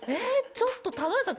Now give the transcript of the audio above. ちょっと田上さん